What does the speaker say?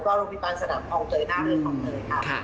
และโรงพิจารณสนามฟ้องเตยหน้าเทิงของเตยค่ะ